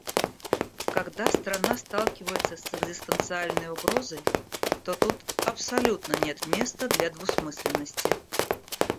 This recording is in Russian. Когда страна сталкивается с экзистенциальной угрозой, то тут абсолютно нет места для двусмысленности.